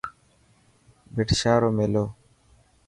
ڀٽ شاهه رو ميلو.